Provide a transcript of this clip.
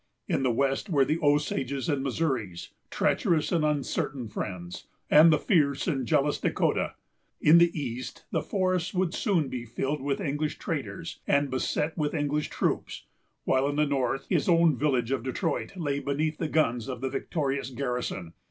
In the west were the Osages and Missouries, treacherous and uncertain friends, and the fierce and jealous Dahcotah. In the east the forests would soon be filled with English traders, and beset with English troops; while in the north his own village of Detroit lay beneath the guns of the victorious garrison.